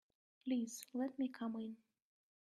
Please let me come in.